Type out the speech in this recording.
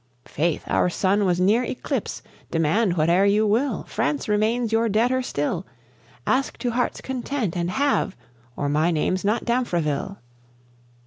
'Faith, our sun was near eclipse! Demand whate'er you will, France remains your debtor still. Ask to heart's content and have! or my name's not Damfreville."